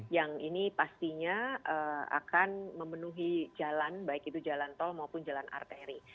yang ini pastinya akan memenuhi jalan baik itu jalan tol maupun jalan arteri